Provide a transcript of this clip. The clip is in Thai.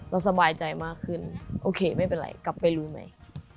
สบายใจมากขึ้นโอเคไม่เป็นไรกลับไปรู้ไหม